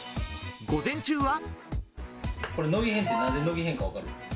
午前中は。